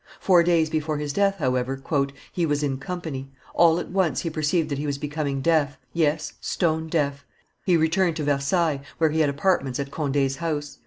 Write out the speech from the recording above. Four days before his death, however, "he was in company. All at once he perceived that he was becoming deaf, yes, stone deaf. He returned to Versailles, where he had apartments at Conde's house.